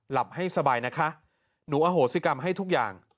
หลับให้สบายนะคะหนูอโหสิกรรมให้ทุกอย่าง